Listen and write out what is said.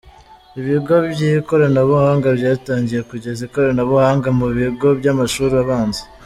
Ibigo byikoranubuhanga byatangiye kugeza ikoranabuhanga mu bigo by’amashuri abanza